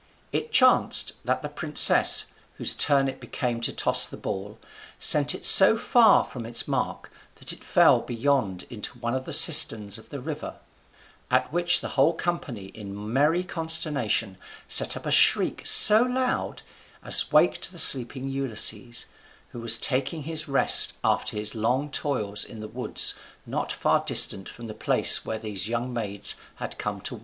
It chanced that the princess, whose turn it became to toss the ball, sent it so far from its mark that it fell beyond into one of the cisterns of the river; at which the whole company, in merry consternation, set up a shriek so loud as waked the sleeping Ulysses, who was taking his rest after his long toils in the woods not far distant from the place where these young maids had come to wash.